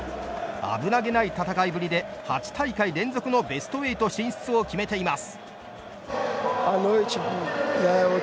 危なげない戦いぶりで８大会連続のベスト８進出を決めています。